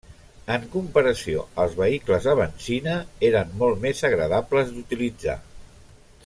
En comparació als vehicles a benzina, eren molt més agradables d'utilitzar.